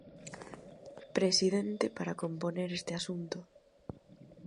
Presidente para componer este asunto.